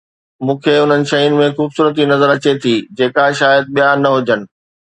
مون کي انهن شين ۾ خوبصورتي نظر اچي ٿي جيڪا شايد ٻيا نه هجن